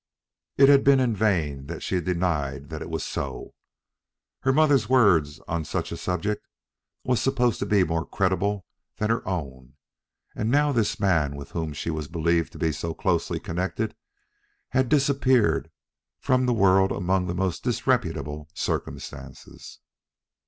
It had been in vain that she had denied that it was so. Her mother's word on such a subject was supposed to be more credible that her own; and now this man with whom she was believed to be so closely connected had disappeared from the world among the most disreputable circumstances.